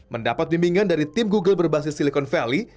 mendapat bimbingan dari tim google berbasis silicon valley